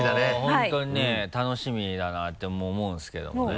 本当にね楽しみだなって思うんですけどもね。